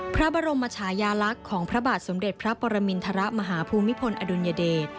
พระบรมชายาลักษณ์ของพระบาทสมเด็จพระปรมินทรมาฮภูมิพลอดุลยเดช